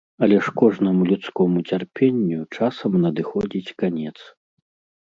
Але ж кожнаму людскому цярпенню часам надыходзіць канец.